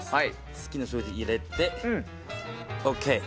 好きな数字入れてＯＫ！